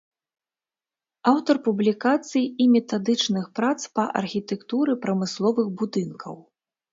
Аўтар публікацый і метадычных прац па архітэктуры прамысловых будынкаў.